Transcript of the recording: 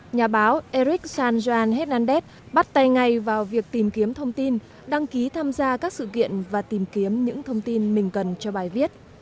nhà báo eric sanjan hernandez bắt tay ngay vào việc tìm kiếm thông tin đăng ký tham gia các sự kiện và tìm kiếm những thông tin mình cần cho bài viết